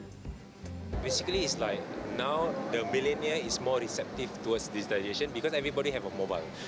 sebenarnya sekarang milenial lebih tersebut terhadap digitalisasi karena semua orang memiliki mobil